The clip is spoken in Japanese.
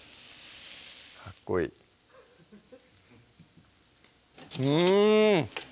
かっこいいうん！